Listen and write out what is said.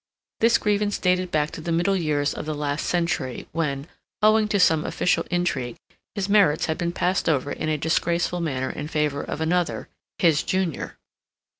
This grievance dated back to the middle years of the last century, when, owing to some official intrigue, his merits had been passed over in a disgraceful manner in favor of another, his junior.